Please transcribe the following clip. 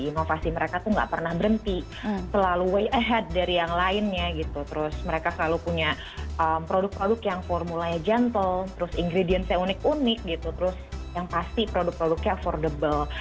inovasi mereka tuh gak pernah berhenti selalu way ahead dari yang lainnya gitu terus mereka selalu punya produk produk yang formulanya gentle terus ingredients nya unik unik gitu terus yang pasti produk produknya affordable